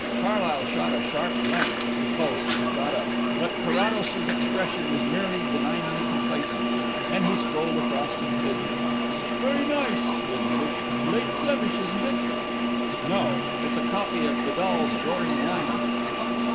Carlyle shot a sharp glance at his host as he got up, but Carrados's expression was merely benignly complacent. Then he strolled across to the figure. "Very nice," he admitted. "Late Flemish, isn't it?" "No. It is a copy of Vidal's 'Roaring lion.'"